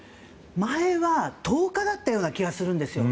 前は１０日だったような気がするんですよ